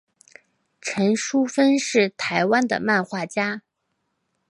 陈淑芬是台湾的漫画家。